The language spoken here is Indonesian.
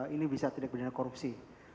ini bisa tidak berdana korupsi